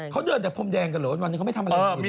เขาเดินแต่พรมแดงกันเหรอวันนี้เขาไม่ทำอะไรคุณ